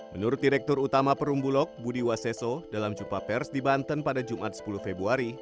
menurut direktur utama perumbulok budi waseso dalam jumpa pers di banten pada jumat sepuluh februari